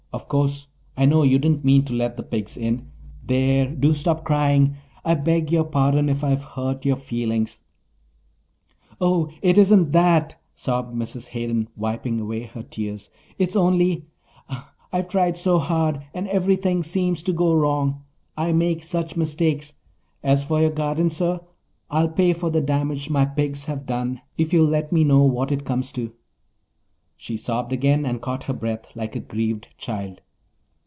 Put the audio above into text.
Of course I know you didn't mean to let the pigs in. There, do stop crying! I beg your pardon if I've hurt your feelings." "Oh, it isn't that," sobbed Mrs. Hayden, wiping away her tears. "It's only—I've tried so hard—and everything seems to go wrong. I make such mistakes. As for your garden, sir. I'll pay for the damage my pigs have done if you'll let me know what it comes to." She sobbed again and caught her breath like a grieved child.